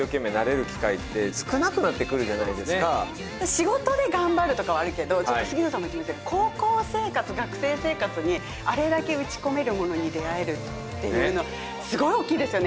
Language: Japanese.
仕事で頑張るとかはあるけど杉野さんも言ったみたいに高校生活学生生活にあれだけ打ち込めるものに出会えるっていうのはすごい大きいですよね。